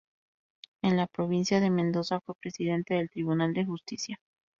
En la Provincia de Mendoza fue presidente del Tribunal de Justicia.